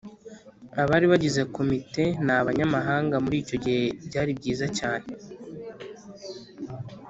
Abari bagize Komite ni abanyamahanga muri icyo gihe byari byiza cyane